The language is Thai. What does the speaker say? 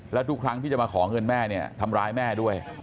แล้วทุกครั้งที่จะมาขอเงินแม่เนี่ยทำร้ายแม่ด้วย